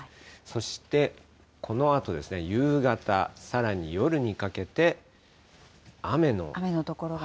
そして、このあとですね、夕方、さらに夜にかけて、雨。